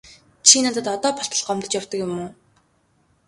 Чи надад одоо болтол гомдож явдаг юм уу?